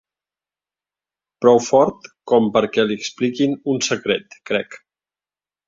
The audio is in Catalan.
Prou fort com perquè li expliquin un secret, crec.